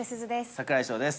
櫻井翔です。